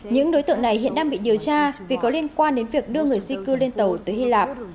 những đối tượng này hiện đang bị điều tra vì có liên quan đến việc đưa người di cư lên tàu tới hy lạp